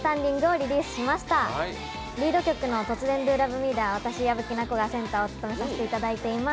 リード曲の「突然Ｄｏｌｏｖｅｍｅ！」では私、矢吹奈子がセンターを務めさせていただいています。